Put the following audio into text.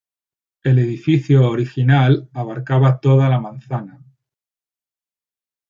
El edificio original abarcaba toda la manzana.